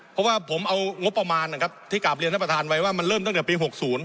เพราะว่าผมเอางบประมาณนะครับที่กลับเรียนท่านประธานไว้ว่ามันเริ่มตั้งแต่ปี๖๐